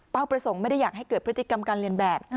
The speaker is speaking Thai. ประสงค์ไม่ได้อยากให้เกิดพฤติกรรมการเรียนแบบ